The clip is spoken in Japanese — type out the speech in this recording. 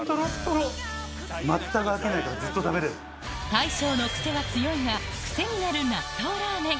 大将のクセは強いがクセになる納豆ラーメン